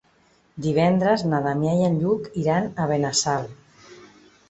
Divendres na Damià i en Lluc iran a Benassal.